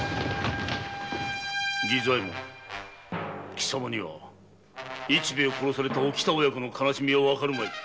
貴様には市兵衛を殺されたおきた親子の悲しみはわかるまい。